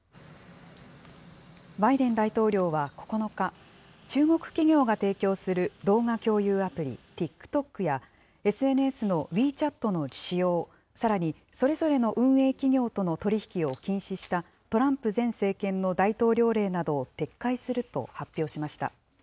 バイデン大統領は９日、中国企業が提供する動画共有アプリ、ＴｉｋＴｏｋや、ＳＮＳのウィーチャットの使用、さらにそれぞれの運営企業との取り引きを禁止したトランプ前政権の大統領令などを撤回すると発表しました。